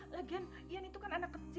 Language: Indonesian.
lagian ian itu kan anak kecil